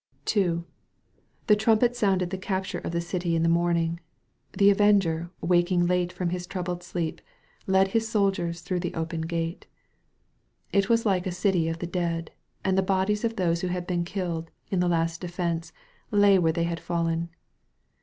II Thb trumpet sounded the capture of the city in the morning. The Avenger, waking late from his troubled sleep, led his soldiers through the open gate. It was like a city of the dead, and the bodies of those who had been killed in the last defense, lay where they had fallen.